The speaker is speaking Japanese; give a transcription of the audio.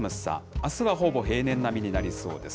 あすはほぼ平年並みになりそうです。